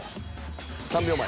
３秒前。